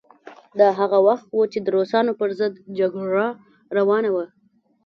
دا هغه وخت و چې د روسانو پر ضد جګړه روانه وه.